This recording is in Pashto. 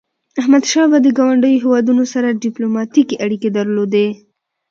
احمدشاه بابا د ګاونډیو هیوادونو سره ډیپلوماټيکي اړيکي درلودی.